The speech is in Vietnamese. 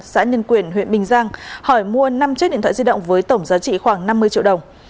xã nhân quyền huyện bình giang hỏi mua năm chiếc điện thoại di động với tổng giá trị khoảng năm mươi triệu đồng